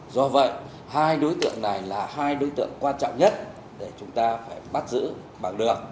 do vậy hai đối tượng này là hai đối tượng quan trọng nhất để chúng ta phải bắt giữ bằng được